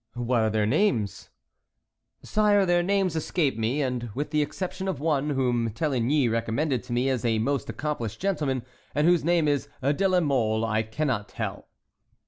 "What are their names?" "Sire, their names escape me, and with the exception of one, whom Téligny recommended to me as a most accomplished gentleman, and whose name is De la Mole, I cannot tell."